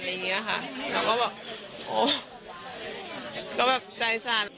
แต่ก็แบบโอ๊ยแบบใจสั่น